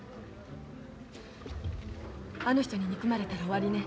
あの人に憎まれたら終わりね。